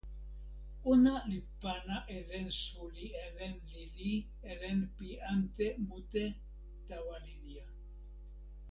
ona li pana e len suli e len lili e len pi ante mute tawa linja.